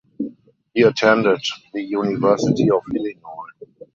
He attended the University of Illinois.